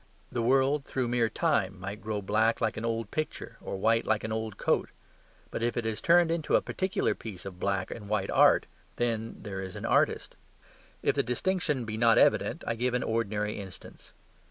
The world, through mere time, might grow black like an old picture, or white like an old coat; but if it is turned into a particular piece of black and white art then there is an artist. If the distinction be not evident, I give an ordinary instance.